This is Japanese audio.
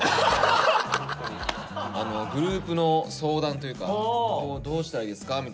グループの相談というか「どうしたらいいですか？」